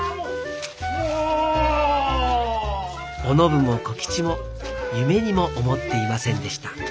お信も小吉も夢にも思っていませんでした